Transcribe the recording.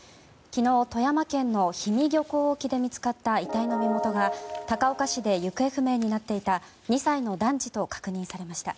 昨日、富山県の氷見漁港沖で見つかった遺体の身元が高岡市で行方不明になっていた２歳の男児と確認されました。